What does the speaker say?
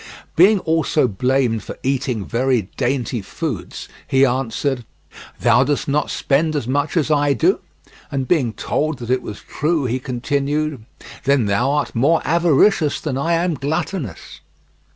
Being also blamed for eating very dainty foods, he answered: "Thou dost not spend as much as I do?" and being told that it was true, he continued: "Then thou art more avaricious than I am gluttonous."